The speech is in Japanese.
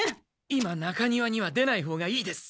今中庭には出ないほうがいいです。